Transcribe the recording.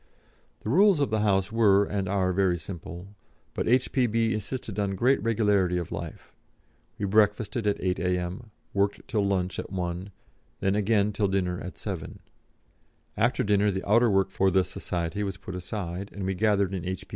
The rules of the house were and are very simple, but H.P.B. insisted on great regularity of life; we breakfasted at 8 a.m., worked till lunch at 1, then again till dinner at 7. After dinner the outer work for the Society was put aside, and we gathered in H.